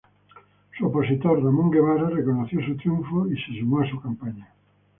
Su opositor, Ramón Guevara reconoció su triunfo y se sumó a su campaña.